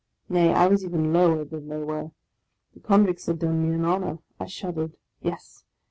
Nay, I was even lower than they were ; the convicts had done me an honour. I shuddered : yes